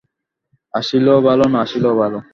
আসিলেও ভাল, না আসিলেও ভাল।